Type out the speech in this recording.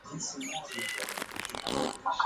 alikuwa ameweka taarifa kwamba